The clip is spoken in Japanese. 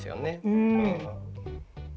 うん。